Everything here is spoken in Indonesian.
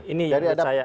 ini yang menurut saya